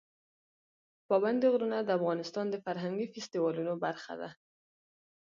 پابندی غرونه د افغانستان د فرهنګي فستیوالونو برخه ده.